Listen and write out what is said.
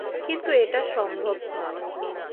কিন্তু এটা সম্ভব নয়।